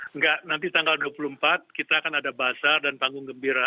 enggak nanti tanggal dua puluh empat kita akan ada bazar dan panggung gembira